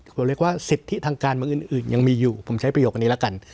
เขาเรียกว่าสิทธิทางการเมืองอื่นยังมีอยู่ผมใช้ประโยคนี้แล้วกัน